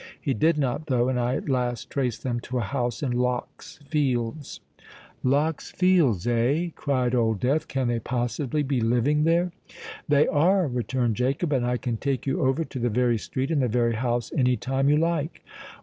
He did not, though; and I at last traced them to a house in Lock's Fields——" "Lock's Fields—eh?" cried Old Death. "Can they possibly be living there?" "They are," returned Jacob; "and I can take you over to the very street and the very house any time you like."